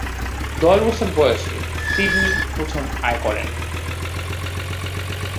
দশ বছর বয়সে সিডনি প্রথম আয় করেন।